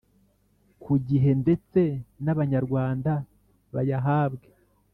ku gihe ndetse n’Abanyarwanda bayahabwe